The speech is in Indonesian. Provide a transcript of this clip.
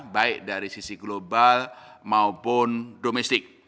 baik dari sisi global maupun domestik